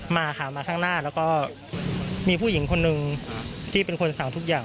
มาค่ะมาข้างหน้าแล้วก็มีผู้หญิงคนหนึ่งที่เป็นคนสั่งทุกอย่าง